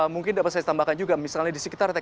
mungkin dapat saya tambahkan juga misalnya di sekitar tkp